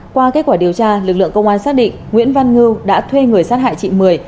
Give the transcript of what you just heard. qua kết quả điều tra lực lượng công an xác định nguyễn văn ngư đã thuê người sát hại chị mười